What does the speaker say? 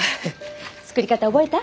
作り方覚えた？